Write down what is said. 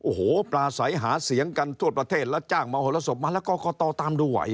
โอ้โหปลาสัยหาเสียงกันทั่วประเทศแล้วจ้างมาเอาโฮลโศพมาแล้วกกตตามดูไหว